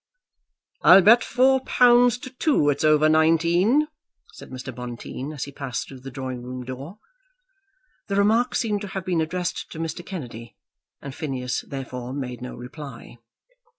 "I'll bet four pounds to two it's over nineteen," said Mr. Bonteen, as he passed through the drawing room door. The remark seemed to have been addressed to Mr. Kennedy, and Phineas therefore made no reply.